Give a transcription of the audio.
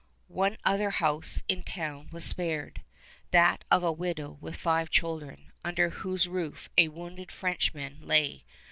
One other house in the town was spared, that of a widow with five children, under whose roof a wounded Frenchman lay.